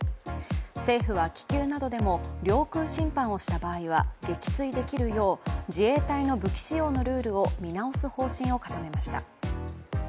政府は気球などでも領空侵犯をした場合は撃墜できるよう自衛隊の武器使用のルールを見直す方針を固めました。